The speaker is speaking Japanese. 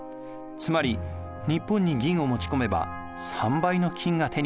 つまり日本に銀を持ち込めば３倍の金が手に入ったのです。